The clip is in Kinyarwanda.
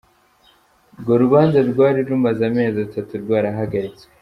Urwo rubanza rwari rumaze amezi atatu rwarahagaritswe.